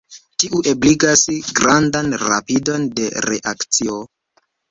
Tiu ebligas grandan rapidon de reakcio.